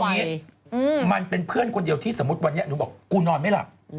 อย่างนี้มันเป็นเพื่อนคนเดียวที่สมมุติวันนี้หนูบอกกูนอนไม่หลับ